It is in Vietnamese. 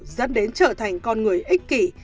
dẫn đến trở thành con người ích kỷ